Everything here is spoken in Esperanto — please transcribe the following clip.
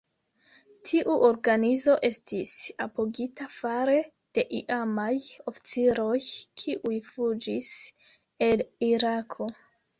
Tiu organizo estis apogita fare de iamaj oficiroj, kiuj fuĝis el Irako.